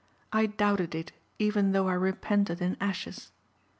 I doubted it even though I repented in ashes.